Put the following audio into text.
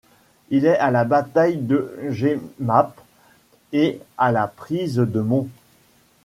Il est à la bataille de Jemmapes et à la prise de Mons.